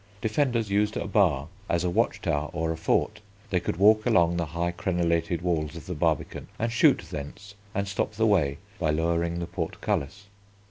Defenders used a Bar as a watch tower or a fort. They could walk along the high crenellated walls of the Barbican and shoot thence, and stop the way by lowering the portcullis.